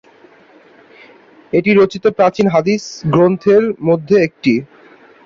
এটি রচিত প্রাচীনতম হাদিস গ্রন্থগুলির মধ্যে একটি।